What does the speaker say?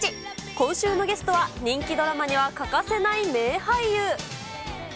今週のゲストは、人気ドラマには欠かせない名俳優。